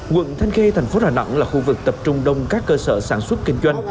quận thanh khê thành phố đà nẵng là khu vực tập trung đông các cơ sở sản xuất kinh doanh